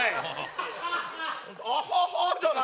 「アハハ」じゃない！